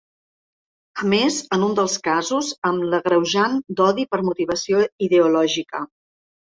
A més, en un dels casos, amb l’agreujant d’odi per motivació ideològica.